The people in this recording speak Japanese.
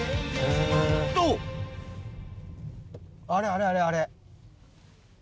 とあれあれあれあれ。